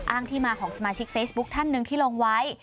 ที่มาของสมาชิกเฟซบุ๊คท่านหนึ่งที่ลงไว้